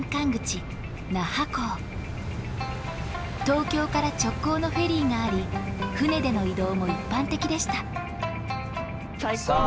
東京から直行のフェリーがあり船での移動も一般的でしたさあ